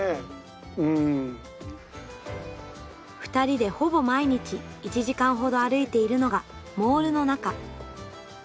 ２人でほぼ毎日１時間ほど歩いているのがモールの中。